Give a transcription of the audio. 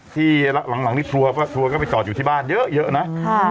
ที่หลังนี้ทัวร์เพราะทัวร์ก็ไปจอดอยู่ที่บ้านเยอะนะ